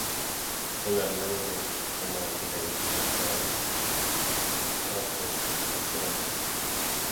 Hunermendê Koma Gulên Xerzan hat destserkirin.